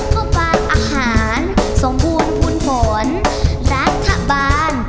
ข้อป่าอาหารสมบูรณ์พูดผลรัฐบาล